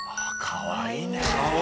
かわいいね。